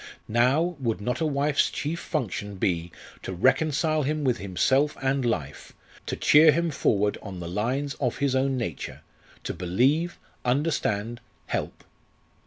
Now, would not a wife's chief function be to reconcile him with himself and life, to cheer him forward on the lines of his own nature, to believe, understand, help?